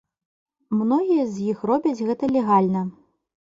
Многія з іх робяць гэта легальна.